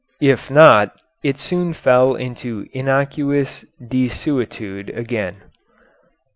If not, it soon fell into innocuous desuetude again.